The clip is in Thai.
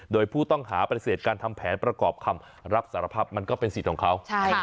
โดยผู้ต้องหาปฏิเสธการทำแผนประกอบคำรับสารภาพมันก็เป็นสิทธิ์ของเขา